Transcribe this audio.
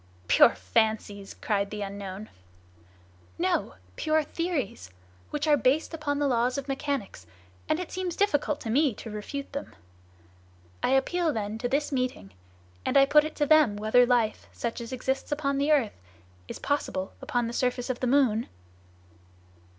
"Pure fancies!" cried the unknown. "No! Pure theories! which are based upon the laws of mechanics, and it seems difficult to me to refute them. I appeal then to this meeting, and I put it to them whether life, such as exists upon the earth, is possible on the surface of the moon?"